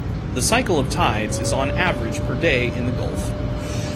The cycle of tides is on average per day in the Gulf.